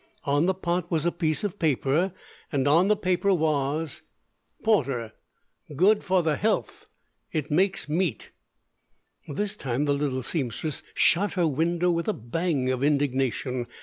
On the pot was a piece of paper, and on the paper was porter good for the helth it makes meet This time the little seamstress shut her window with a bang of indignation.